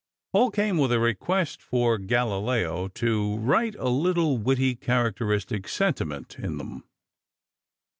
All came with a request for Galileo "to write a little, witty, characteristic sentiment in them."